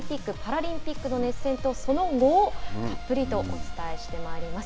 東京オリンピック・パラリンピックの熱戦とその後をたっぷりとお伝えしてまいります。